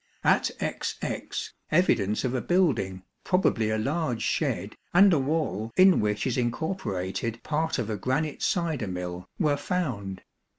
At XX, evidence of a building, probably a large shed, and a wall in which is incorporated part of a granite cider mill were found.